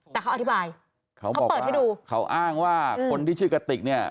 แต่เขาอธิบายเขาเปิดให้ดูเขาอ้างว่าคนที่ชื่อกระติกเนี่ย